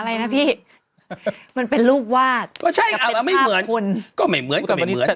อะไรนะพี่มันเป็นรูปวาดก็ใช่ครับไม่เหมือนคนก็ไม่เหมือนก็ไม่เหมือน